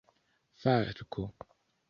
falko